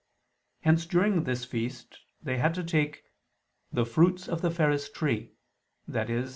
Hence during this feast they had to take "the fruits of the fairest tree," i.e.